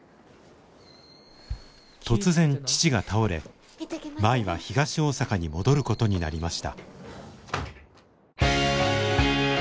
突然父が倒れ舞は東大阪に戻ることになりました。